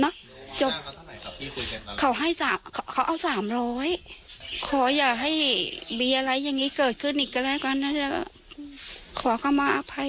ขอขอบคุณค่ะ